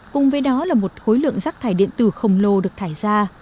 cùng với đó là một khối lượng rác thải điện tử khổng lồ được thải ra